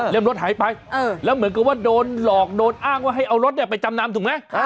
รถหายไปแล้วเหมือนกับว่าโดนหลอกโดนอ้างว่าให้เอารถไปจำนำถูกไหม